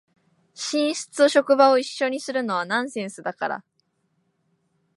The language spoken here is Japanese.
寝室と職場を一緒にするのはナンセンスだから